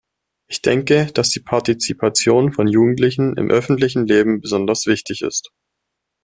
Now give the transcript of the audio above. Ich denke, dass die Partizipation von Jugendlichen im öffentlichen Leben besonders wichtig ist.